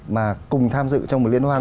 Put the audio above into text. mà cùng tham dự trong một liên hoàn